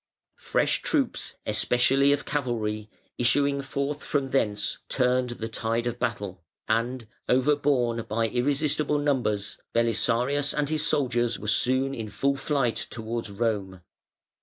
Fresh troops, especially of cavalry, issuing forth from thence turned the tide of battle, and, overborne by irresistible numbers, Belisarius and his soldiers were soon in full flight towards Rome.